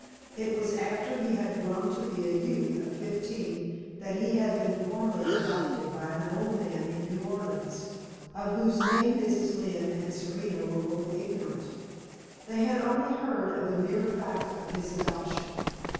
It was after he had grown to be a youth of fifteen that he had been formally adopted by an old man in New Orleans, of whose name Mrs. Lynne and Serena were both ignorant; they had only heard of the mere fact of his adoption.